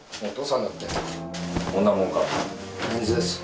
お父さんだって。